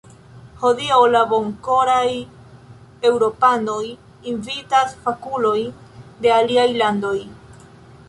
Hodiaŭ la bonkoraj eŭropanoj invitas fakulojn de aliaj landoj.